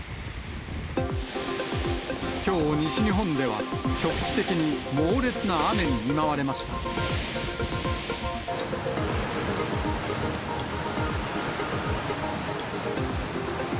きょう、西日本では局地的に猛烈な雨に見舞われました。